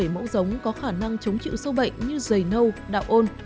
hai trăm linh bảy mẫu giống có khả năng chống chịu sâu bệnh như dày nâu đạo ôn